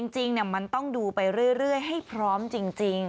จริงมันต้องดูไปเรื่อยให้พร้อมจริง